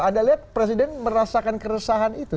anda lihat presiden merasakan keresahan itu